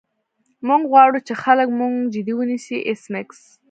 موږ غواړو چې خلک موږ جدي ونیسي ایس میکس